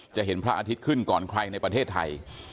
จะเห็นพระอาทิตย์ขึ้นก่อนใครในประเทศไทย